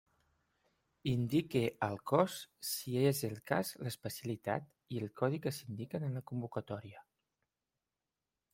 Indique el Cos, si és el cas l'Especialitat, i el Codi que s'indiquen en la convocatòria.